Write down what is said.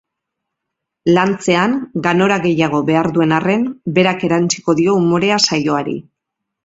Lantzean, ganora gehiago behar duen arren, berak erantsiko dio umorea saioari.